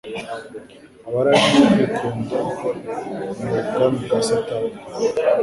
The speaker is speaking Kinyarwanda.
Abaramya kwikunda ni ab'ubwami bwa Satani